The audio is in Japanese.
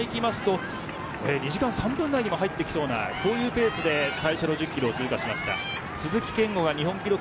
２時間３分台にも入ってきそうなペースで最初の１０キロを通過しました。